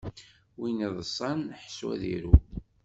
Win iḍṣan ḥṣu ad iru.